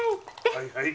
はいはい。